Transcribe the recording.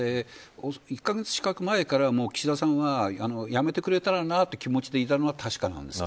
１カ月近く前から岸田さんが辞めてくれたらなという気持ちでいたの確かなんです。